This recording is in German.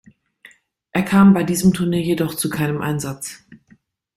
Er kam bei diesem Turnier jedoch zu keinem Einsatz.